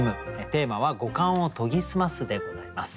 テーマは「五感を研ぎ澄ます」でございます。